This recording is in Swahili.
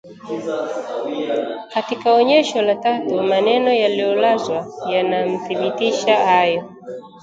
Katika Onyesho la tatu maneno yaliyolazwa yanadhibitisha hayo